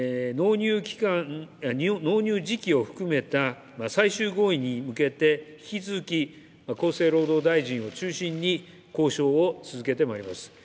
納入時期を含めた最終合意に向けて引き続き、厚生労働大臣を中心に交渉を続けてまいります。